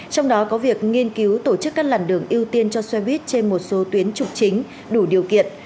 trong đó có việc nghiên cứu tổ chức các làn đường ưu tiên cho xe buýt trên một số tuyến trục chính đủ điều kiện